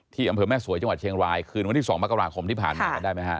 อำเภอแม่สวยจังหวัดเชียงรายคืนวันที่๒มกราคมที่ผ่านมากันได้ไหมฮะ